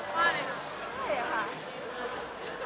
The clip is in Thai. ใช่ค่ะ